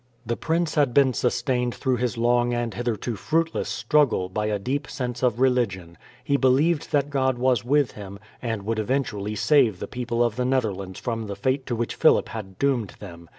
The prince had been sustained through his long and hitherto fruitless struggle by a deep sense of religion. He believed that God was with him, and would eventually save the people of the Netherlands from the fate to which Philip had doomed them.